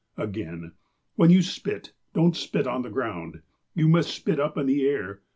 Again :" When you spit, don't spit on the ground. You must spit up in the air.